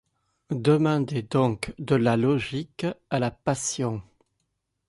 Demandez donc de la logique à la passion.